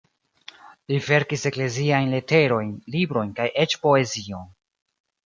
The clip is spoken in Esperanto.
Li verkis ekleziajn leterojn, librojn kaj eĉ poezion.